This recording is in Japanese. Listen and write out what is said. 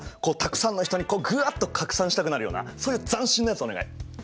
こうたくさんの人にグワッと拡散したくなるようなそういう斬新なやつお願い！